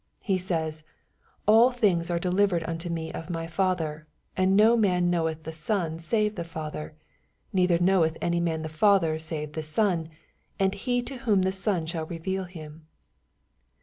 He says, " All things are delivered unto me of my Father : and no man knoweth the Son save the Father, neither knoweth any man the Father save the Son, and he to whom the Son shall reveal him."